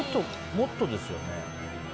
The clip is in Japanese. もっとですよね。